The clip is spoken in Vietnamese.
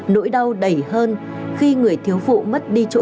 nỗi đau đầy hơn khi người thiếu phụ mất đi trường